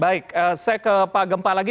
baik saya ke pak gempa lagi